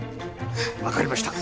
分かりました。